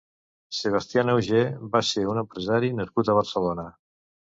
Sebastián Auger va ser un empresari nascut a Barcelona.